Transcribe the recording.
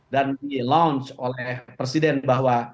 dan di launch oleh presiden bahwa